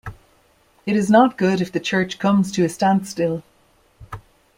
It is not good if the Church comes to a standstill.